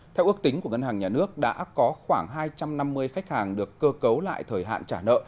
theo ước tính của ngân hàng nhà nước đã có khoảng hai trăm năm mươi khách hàng được cơ cấu lại thời hạn trả nợ